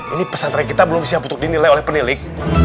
ini pesantren kita belum siap untuk dinilai oleh penilik